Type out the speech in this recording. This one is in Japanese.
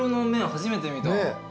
初めて見た。